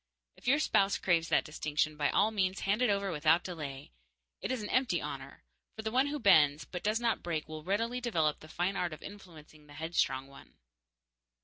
If your spouse craves that distinction, by all means hand it over without delay. It is an empty honor, for the one who bends but does not break will readily develop the fine art of influencing the headstrong one.